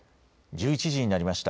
１１時になりました。